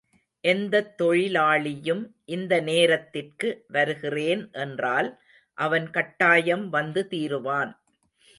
எந்தத் தொழிலாளியும் இந்த நேரத்திற்கு வருகிறேன் என்றால் அவன் கட்டாயம் வந்து தீருவான்.